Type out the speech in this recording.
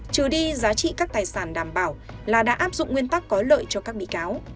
trừ đi giá trị các tài sản đảm bảo là đã áp dụng nguyên tắc có lợi cho các bị cáo